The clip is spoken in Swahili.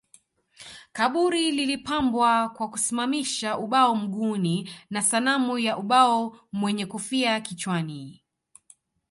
Kaburi ilipambwa kwa kusimamisha ubao mguuni na sanamu ya ubao mwenye kofia kichwani